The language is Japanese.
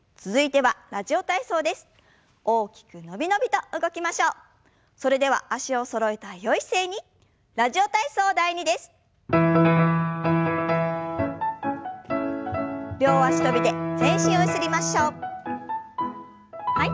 はい。